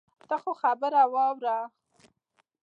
ته خو خبره واوره.